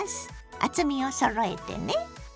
厚みをそろえてね。